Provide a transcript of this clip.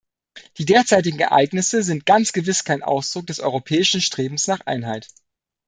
Die derzeitigen Ereignisse sind ganz gewiss kein Ausdruck des europäischen Strebens nach Einheit.